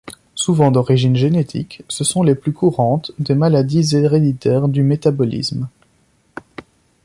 Souvent d'origine génétique, ce sont les plus courantes des maladies héréditaires du métabolisme.